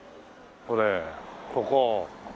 これここ。